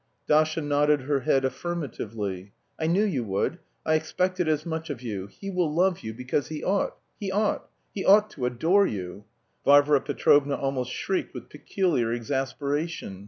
Dasha nodded her head affirmatively. "I knew you would. I expected as much of you. He will love you because he ought, he ought; he ought to adore you." Varvara Petrovna almost shrieked with peculiar exasperation.